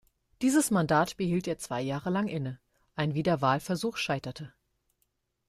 Dieses Mandat behielt er zwei Jahre lang inne; ein Wiederwahlversuch scheiterte.